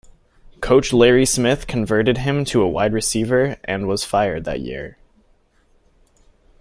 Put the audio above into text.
Coach Larry Smith converted him to a wide receiver and was fired that year.